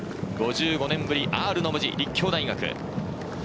５５年ぶりＲの文字、立教大学。